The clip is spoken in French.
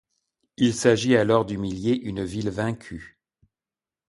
Il s'agit alors d'humilier une ville vaincue.